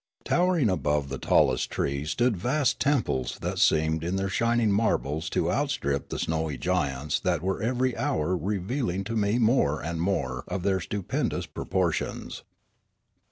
Towering above the tallest trees stood vast temples that seemed in their shining marbles to out strip the snowy giants that were every hour revealing to me more and more of their stupendous proportions.